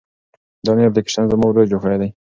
دا نوی اپلیکیشن زما ورور جوړ کړی دی.